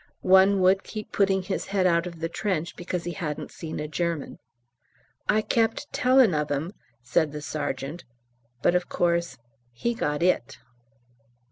One would keep putting his head out of the trench because he hadn't seen a German. "I kept tellin' of him," said the sergeant, "but of course he got 'it!"